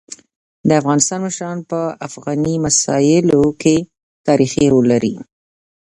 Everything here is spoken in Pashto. د افغانستان مشران په افغاني مسايلو کيتاریخي رول لري.